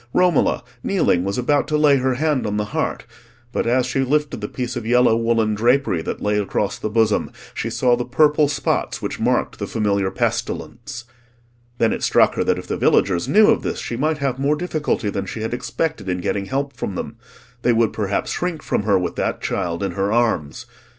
Romola, kneeling, was about to lay her hand on the heart; but as she lifted the piece of yellow woollen drapery that lay across the bosom, she saw the purple spots which marked the familiar pestilence. Then it struck her that if the villagers knew of this, she might have more difficulty than she had expected in getting help from them; they would perhaps shrink from her with that child in her arms.